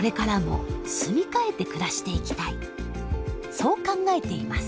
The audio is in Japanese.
そう考えています。